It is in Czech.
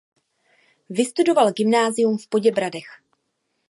Vystudoval gymnázium v Poděbradech.